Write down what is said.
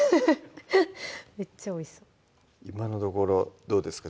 めっちゃおいしそう今のところどうですか？